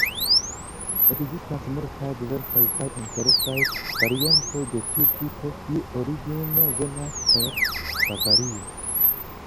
Ekzistas multaj diversaj kaj interesaj variantoj de tiu tipo, kiu origine venas el Bavario.